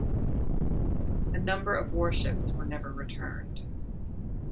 A number of warships were never returned.